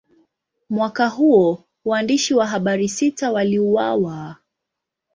Mwaka huo, waandishi wa habari sita waliuawa.